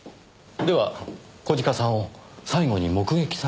では小鹿さんを最後に目撃された方。